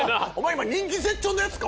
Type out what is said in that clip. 今人気絶頂のヤツか？